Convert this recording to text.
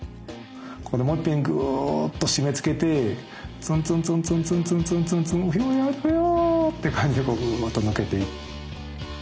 ここでもういっぺんグーッと締めつけてツンツンツンツンツンツンツンツンツン「ウヒョーやめてくれよ！」って感じでグーッと抜けて。